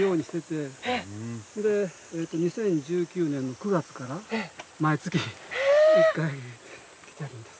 ２０１９年の９月から毎月１回来てるんです。